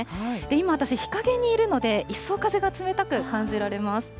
今、私、日陰にいるので一層、風が冷たく感じられます。